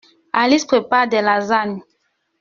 Alice prépare des lasagnes.